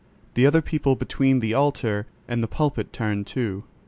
The other people between the altar and the pulpit turned too.